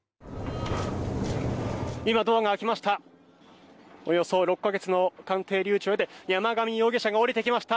今、ドアが開きました。